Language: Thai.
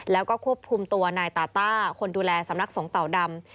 แล้วก็ควบคุมตัวนายตาต้าคนดูแลสำนักสงฆ์เต่าดำ